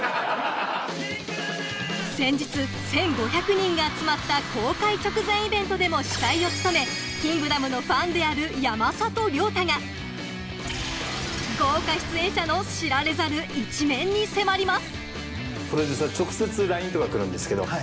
先日１５００人が集まった公開直前イベントでも司会を務め『キングダム』のファンである山里亮太がに迫ります